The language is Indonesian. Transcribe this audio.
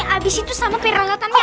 abis itu sama peralatannya